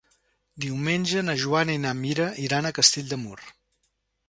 Diumenge na Joana i na Mira iran a Castell de Mur.